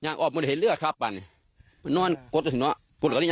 ยางออกมาเห็นเลือดค่ะบันนอนนกคนน้อย